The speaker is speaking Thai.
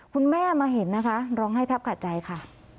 คุณแม่มาเห็นนะคะร้องไห้แทบขาดใจค่ะ